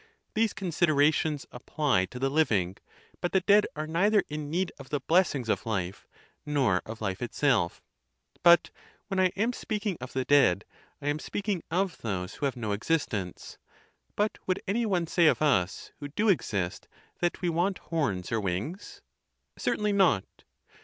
These considerations apply to the living, but the dead are neither in need of the blessings of life, nor of life itself. But when I am speaking of the dead, lam speaking of those who have no existence. But would any one say of us, who do exist, that we want horns or wings? Certainly not.